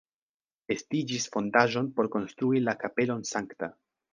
Estiĝis fondaĵon por konstrui la kapelon Sankta.